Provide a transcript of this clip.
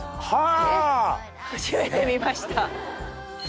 えっ初めて見ました。